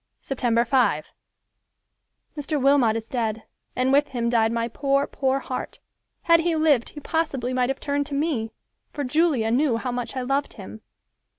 '" Sept. 5—"Mr. Wilmot is dead, and with him died my poor, poor heart. Had he lived, he possibly might have turned to me, for Julia knew how much I loved him.